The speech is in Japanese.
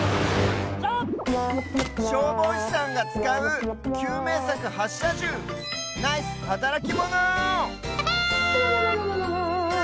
しょうぼうしさんがつかうきゅうめいさくはっしゃじゅうナイスはたらきモノ！